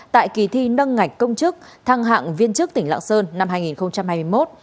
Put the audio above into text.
tại kỳ thi nâng ngạch công chức thăng hạng viên chức tỉnh lạng sơn năm hai nghìn hai mươi một